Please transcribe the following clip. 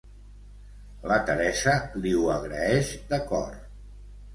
La Teresa li ho agraeix de cor.